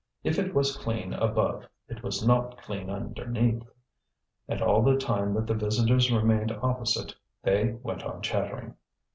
If it was clean above it was not clean underneath. And all the time that the visitors remained opposite, they went on chattering.